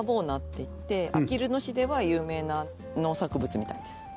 菜っていってあきる野市では有名な農作物みたいです。